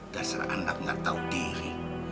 dasar anaknya tau diri